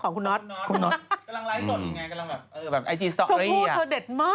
กำลังไลฟ์สดอยู่ไงกำลังแบบไอจีสตอรี่